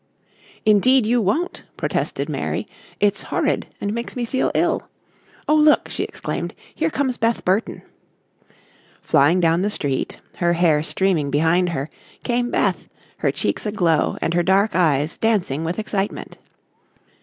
"Indeed you won't," protested Mary. "It's horrid and makes me feel ill. Oh, look," she exclaimed, "here comes Beth Burton." Flying down the street, her hair streaming behind her, came Beth, her cheeks aglow and her dark eyes dancing with excitement.